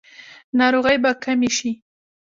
ناروغۍ به کمې شي؟